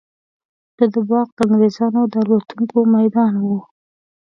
د ده باغ د انګریزانو د الوتکو میدان وو.